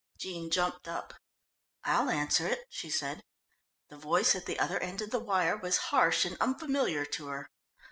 Jean jumped up. "I'll answer it," she said. The voice at the other end of the wire was harsh and unfamiliar to her.